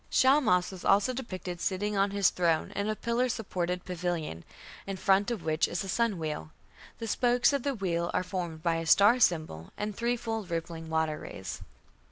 Shamash was also depicted sitting on his throne in a pillar supported pavilion, in front of which is a sun wheel. The spokes of the wheel are formed by a star symbol and threefold rippling "water rays".